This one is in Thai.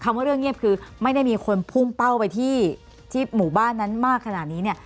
ว่าเรื่องเงียบคือไม่ได้มีคนพุ่งเป้าไปที่หมู่บ้านนั้นมากขนาดนี้เนี่ย